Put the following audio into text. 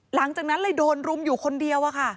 หลังจากนั้นเลยโดนรุมอยู่คนเดียวอะค่ะ